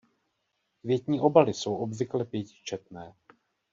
Květní obaly jsou obvykle pětičetné.